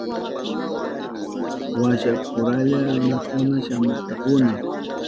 Washapuralla runakuna shamurkakuna.